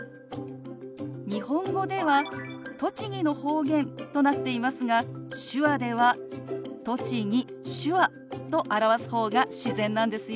日本語では「栃木の方言」となっていますが手話では「栃木」「手話」と表す方が自然なんですよ。